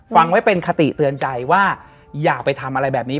ฟังไว้เป็นคติเตือนใจว่าอย่าไปทำอะไรแบบนี้